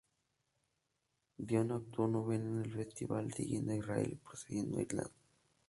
Dion actuó novena en el festival, siguiendo a Israel y precediendo a Irlanda.